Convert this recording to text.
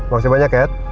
bisa banyak ya